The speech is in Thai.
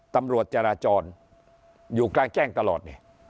ตำรวจจราจรอยู่กลางแจ้งตลอดนี่